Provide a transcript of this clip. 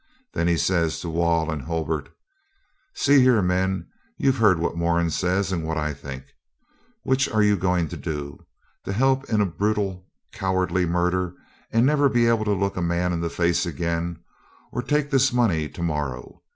Then he says to Wall and Hulbert 'See here, men; you've heard what Moran says, and what I think. Which are you going to do? To help in a brutal, cowardly murder, and never be able to look a man in the face again, or to take this money to morrow?